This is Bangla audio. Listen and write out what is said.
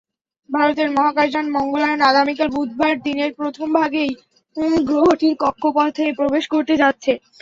ভারতের মহাকাশযান মঙ্গলায়ন আগামীকাল বুধবার দিনের প্রথম ভাগেই গ্রহটির কক্ষপথে প্রবেশ করতে যাচ্ছে।